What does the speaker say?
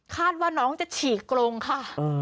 ว่าน้องจะฉีกกรงค่ะ